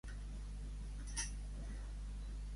Als Balàfia fan la pel·lícula "Un món estrany" demà?